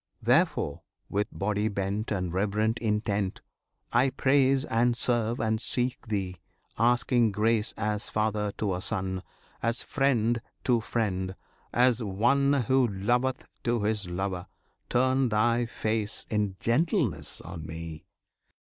Therefore, with body bent And reverent intent, I praise, and serve, and seek Thee, asking grace. As father to a son, As friend to friend, as one Who loveth to his lover, turn Thy face In gentleness on me!